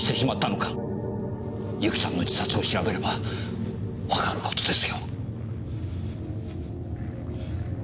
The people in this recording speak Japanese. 由紀さんの自殺を調べればわかる事ですよ。